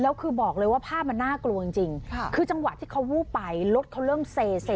แล้วคือบอกเลยว่าภาพมันน่ากลัวจริงคือจังหวะที่เขาวูบไปรถเขาเริ่มเซ